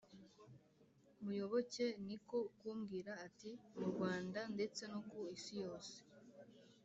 muyoboke ni ko kumbwira ati:"mu rwanda ndetse no ku isi yose